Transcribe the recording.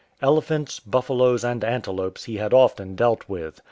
Elephants, buffaloes, and antelopes he had often dealt with.